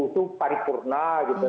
itu paripurna gitu